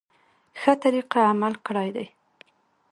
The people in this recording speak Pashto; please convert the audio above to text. ښه طریقه عمل کړی دی.